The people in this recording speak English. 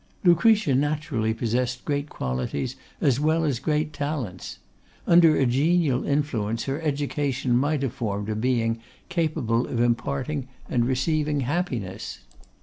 Lucretia naturally possessed great qualities as well as great talents. Under a genial influence, her education might have formed a being capable of imparting and receiving happiness.